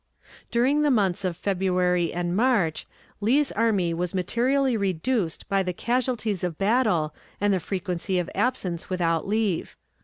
During the months of February and March, Lee's army was materially reduced by the casualties of battle and the frequency of absence without leave.